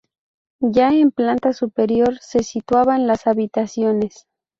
Ya en planta superior se situaban las habitaciones.